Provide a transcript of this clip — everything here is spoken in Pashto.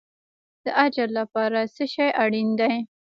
د اجر لپاره څه شی اړین دی؟